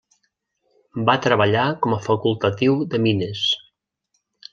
Va treballar com a facultatiu de mines.